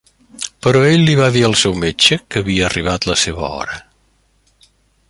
Però ell li va dir al seu metge, que havia arribat la seva hora.